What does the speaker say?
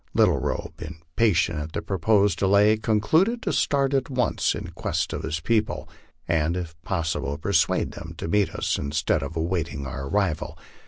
Little Robe, impatient at the proposed delay, concluded to start at once in quest of his people, and if possible persuade them to meet us instead of awaiting our arrival.